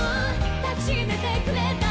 「抱き締めてくれた」